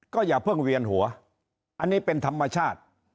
ก็อย่าเพิ่งเวียนหัวอันนี้เป็นธรรมชาติ